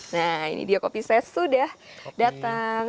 nah ini dia kopi saya sudah datang